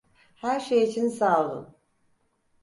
Her şey için sağ olun.